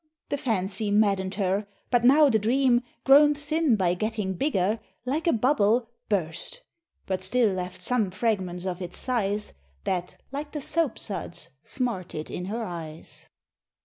The fancy madden'd her; but now the dream, Grown thin by getting bigger, like a bubble, Burst, but still left some fragments of its size, That, like the soapsuds, smarted in her eyes.